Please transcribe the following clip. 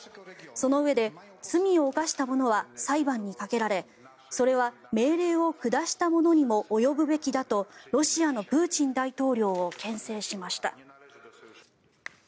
そのうえで罪を犯した者は裁判にかけられそれは命令を下した者にも及ぶべきだとロシアのプーチン大統領をけん制しました。